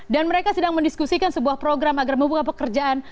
dan mereka sedang mendiskusikan sebuah program agar membuka pekerjaan